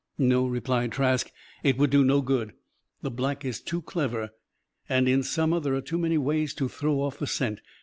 "No," replied Trask. "It would do no good. The Black is too clever. And in summer there are too many ways to throw off the scent.